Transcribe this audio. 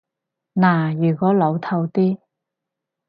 嗱，如果老套啲